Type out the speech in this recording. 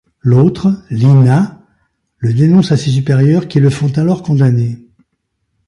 L'autre, Linah, le dénonce à ses supérieurs qui le font alors condamner.